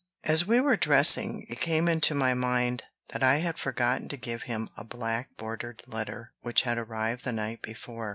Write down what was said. As we were dressing, it came into my mind that I had forgotten to give him a black bordered letter which had arrived the night before.